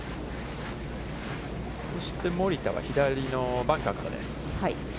そして森田は、左のバンカーからです。